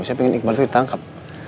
saya ingin iqbal itu ditangkap